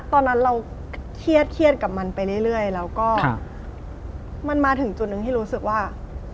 ตอนนั้นเราเครียดกับมันไปเรื่อยแล้วก็มันมาถึงจุดหนึ่งที่รู้สึกว่า